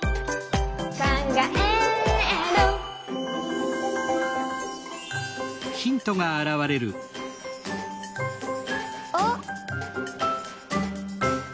「かんがえる」あっ！